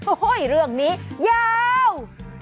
โอ้เฮ้ยเรื่องนี้ยาว